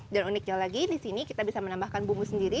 uniknya lagi di sini kita bisa menambahkan bumbu sendiri